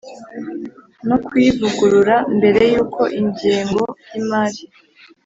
no kuyivugurura Mbere y uko ingengo y imari